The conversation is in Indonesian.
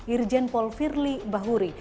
irjen pol firly bahuri